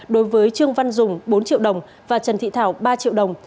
đối với trương văn dùng bốn triệu đồng và trần thị thảo ba triệu đồng